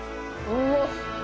うまっ！